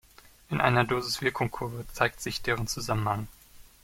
In einer Dosis-Wirkungs-Kurve zeigt sich deren Zusammenhang.